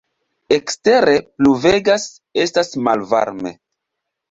Ekstere pluvegas, estas malvarme.